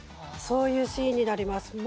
そういうシーンになります。